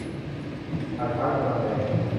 ถ่านชาร์จกำลังแรง